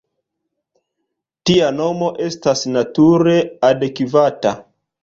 Tia nomo estos nature adekvata.